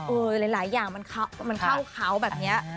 หลายอย่างมันเข้าเขาแบบนี้